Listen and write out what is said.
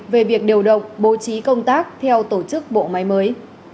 về việc điều động bố trí công tác theo tổ chức bộ máy mới